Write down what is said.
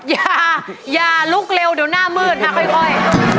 อย่าอย่าลุกเร็วเดี๋ยวหน้ามืดนะค่อย